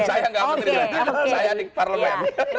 saya nggak menteri saya adik